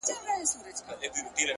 نور د نورو لېوني دې کبرجنې;